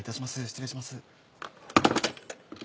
失礼します。